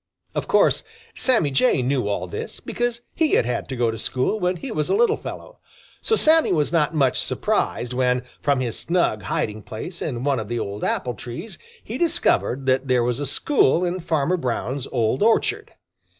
Of course Sammy Jay knew all this, because he had had to go to school when he was a little fellow. So Sammy was not much surprised when, from his snug hiding place in one of the old apple trees, he discovered that there was a school in Farmer Brown's old orchard.